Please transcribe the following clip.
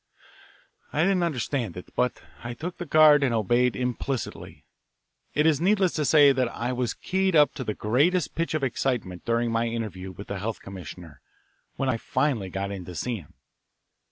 I didn't understand it, but I took the card and obeyed implicitly. It is needless to say that I was keyed up to the greatest pitch of excitement during my interview with the health commissioner, when I finally got in to see him.